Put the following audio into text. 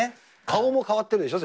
顔も変わってるでしょ、